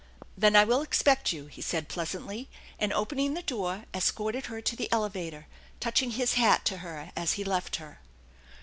" Then I will expect you," he said pleasantly, and, opening the door, escorted her to the elevator, touching his hat to her as he left her.